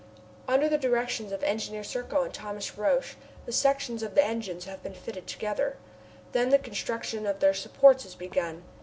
Under the directions of Engineer Serko and Thomas Roch the sections of the engines have been fitted together. Then the construction of their supports is begun.